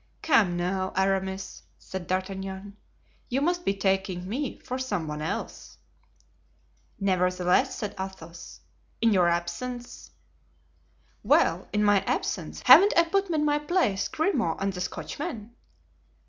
"Come, now, Aramis," said D'Artagnan, "you must be taking me for some one else." "Nevertheless," said Athos, "in your absence——" "Well, in my absence haven't I put in my place Grimaud and the Scotchman?